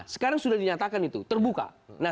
sekarang sudah dinyatakan itu terbuka